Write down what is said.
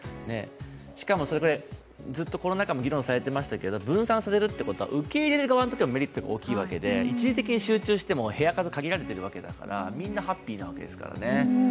しかも、ずっとコロナ禍も議論されていましたから、分散されるということは受け入れる側にとってはメリットが大きいわけで一時的に集中しても部屋数限られているからみんなハッピーになるんですけどね。